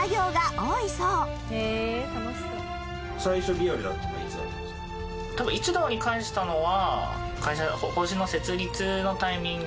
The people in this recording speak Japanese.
多分一堂に会したのは。